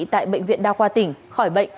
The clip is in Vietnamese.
tại bệnh viện đa khoa tỉnh khỏi bệnh